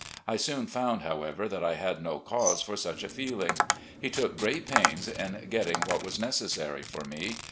I soon found, however, that I had no cause for such a feeling. He took great pains in getting what was neces sary for me.